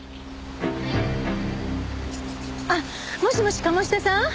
あっもしもし鴨志田さん？